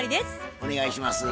お願いします。